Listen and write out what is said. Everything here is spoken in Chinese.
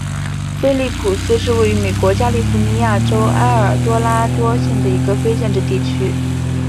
菲利普斯是位于美国加利福尼亚州埃尔多拉多县的一个非建制地区。